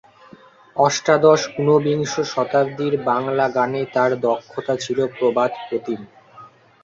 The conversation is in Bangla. অষ্টাদশ-ঊনবিংশ শতাব্দীর বাংলা গানে তার দক্ষতা ছিল প্রবাদপ্রতিম।